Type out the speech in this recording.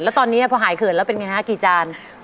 แล้วตอนนี้พอหายเขินแล้วเป็นไงฮะกี่จาน